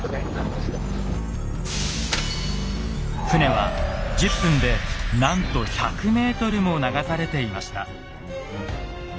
船は１０分でなんと１００ｍも流されていました。